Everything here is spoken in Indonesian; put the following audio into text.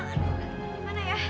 kalintang aduh kemana ya